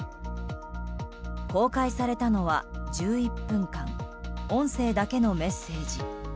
公開されたのは１１分間音声だけのメッセージ。